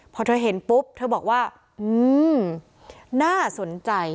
พอเธอเห็นปุ๊บเธอบอกว่าน่าสนใจ